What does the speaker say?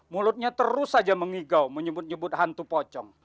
mulutnya terus saja mengigau menyebut nyebut hantu pocong